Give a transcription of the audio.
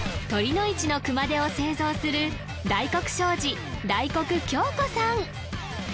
酉の市の熊手を製造する大黒商事大黒杏子さん